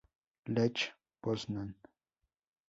Lech Poznań